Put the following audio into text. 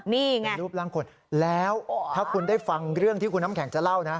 นี่ไงรูปร่างคนแล้วถ้าคุณได้ฟังเรื่องที่คุณน้ำแข็งจะเล่านะ